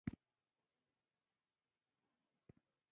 مګر دا چې ته د هغه په راپورته کولو مرسته ورسره کوې.